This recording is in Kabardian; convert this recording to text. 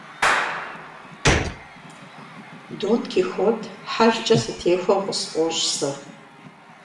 Дон Кихот хьэлкӀэ сытехуэу къысфӀощӀ сэ.